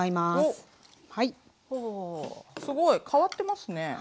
すごい変わってますね。